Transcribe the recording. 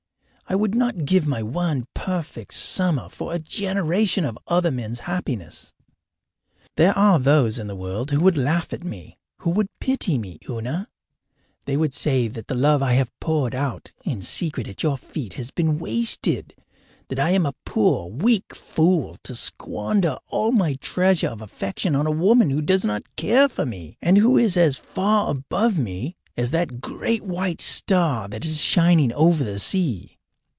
I would not give my one perfect summer for a generation of other men's happiness. There are those in the world who would laugh at me, who would pity me, Una. They would say that the love I have poured out in secret at your feet has been wasted, that I am a poor weak fool to squander all my treasure of affection on a woman who does not care for me and who is as far above me as that great white star that is shining over the sea.